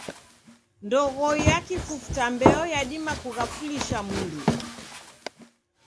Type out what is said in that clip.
Ndoghoi ya kifufuta mbeo yadima kughaflisha mndu.